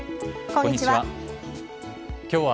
こんにちは。